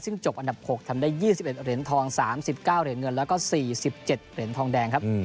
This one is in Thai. ซึ่งจบอันดับ๖ทำได้๒๑เหรียญทอง๓๙เหรียญเงินแล้วก็๔๗เหรียญทองแดงครับ